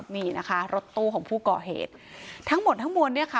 นี่นะคะรถตู้ของผู้ก่อเหตุทั้งหมดทั้งมวลเนี่ยค่ะ